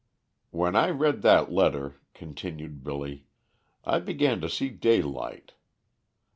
"When I read that letter," continued Billy, "I began to see daylight.